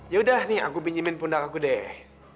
ya udah aku pinjemin pundak aku deh